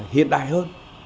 hiện đại hơn